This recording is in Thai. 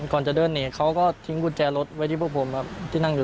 ก่อนจะเดินหนีเขาก็ทิ้งกุญแจรถไว้ที่พวกผมครับที่นั่งอยู่